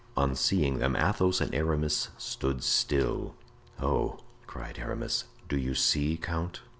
On seeing them Athos and Aramis stood still. "Oh!" cried Aramis, "do you see, count?"